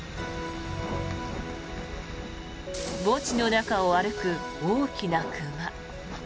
墓地の中を歩く大きな熊。